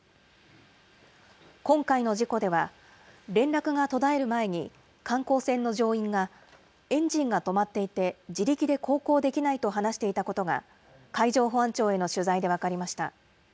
今回の事故では、連絡が途絶える前に、観光船の乗員がエンジンが止まっていて、自力で航行できないと話していたことが、海上保安庁への取材で分かりました。